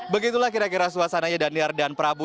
begitulah kira kira suasananya daniar dan prabu